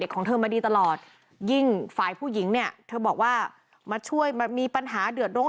ของเธอมาดีตลอดยิ่งฝ่ายผู้หญิงเนี่ยเธอบอกว่ามาช่วยมามีปัญหาเดือดร้อน